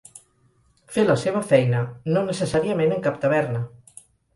Fer la seva feina, no necessàriament en cap taverna.